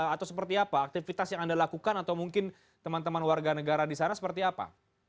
atau seperti apa aktivitas yang anda lakukan atau mungkin teman teman warga negara di sana seperti apa